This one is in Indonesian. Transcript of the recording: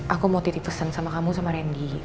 aku mau titik pesan sama kamu sama randy